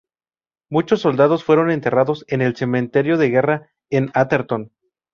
Muchos soldados fueron enterrados en el Cementerio de Guerra en Atherton.